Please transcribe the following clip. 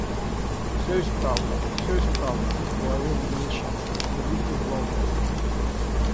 Всё исправно, всё исправно, — проговорил Англичанин, — не будьте взволнованы.